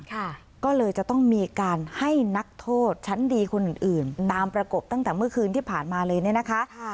ก็เลยจะต้องมีการให้นักโทษชั้นดีคนอื่นอื่นตามประกบตั้งแต่เมื่อคืนที่ผ่านมาเลยเนี่ยนะคะ